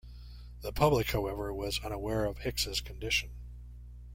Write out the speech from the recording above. The public, however, was unaware of Hicks's condition.